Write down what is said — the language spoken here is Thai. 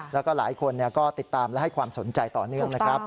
แล้วก็หลายคนก็ติดตามและให้ความสนใจต่อเนื่องนะครับ